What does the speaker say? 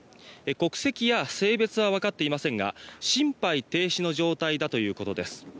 国籍や性別はわかっていませんが心肺停止の状態だということです。